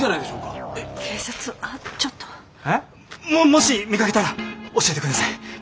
もし見かけたら教えて下さい。